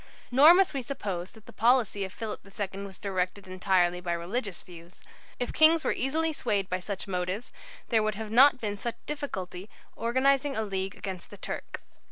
Nor must we suppose that the policy of Philip II was directed entirely by religious views. If kings were easily swayed by such motives, there would have not been such difficulty about organizing a League against the Turk.